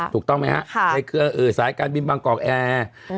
ถูกต้องไหมฮะในเครือสายการบินบางกอกแอร์